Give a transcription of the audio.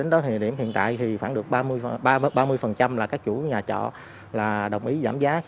điểm hiện tại thì khoảng được ba mươi là các chủ nhà trọ đồng ý giảm giá